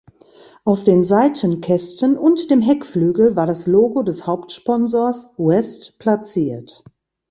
Auf den Seitenkästen und dem Heckflügel war das Logo des Hauptsponsors West platziert.